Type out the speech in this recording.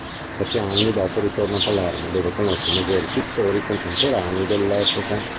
Sette anni dopo ritorna a Palermo dove conosce i maggiori pittori contemporanei dell'epoca.